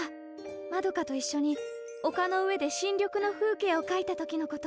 まどかといっしょにおかの上で新緑の風景を描いた時のこと。